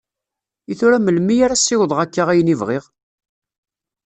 I tura melmi ara ssiwḍeɣ akka ayen i bɣiɣ?